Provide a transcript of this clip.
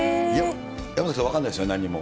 山崎さん、分かんないですよね、なんにも。